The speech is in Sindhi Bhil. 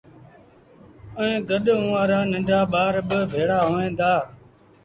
ائيٚݩ گڏ اُئآݩ رآ ننڍآ ٻآر با ڀيڙآ هوئين دآ